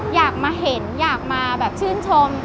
อยากมาเห็นอยากมาแบบชื่นชม